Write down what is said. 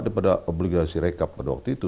daripada obligasi rekap pada waktu itu